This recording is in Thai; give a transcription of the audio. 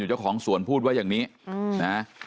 อยู่เจ้าของสวนพูดไว้อย่างนี้เอ่อ